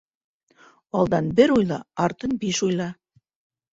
Алдын бер уйла, артын биш уйла.